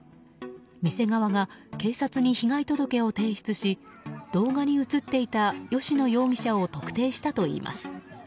店側が警察に被害届を提出し動画に映っていた吉野容疑者を特定したといいます。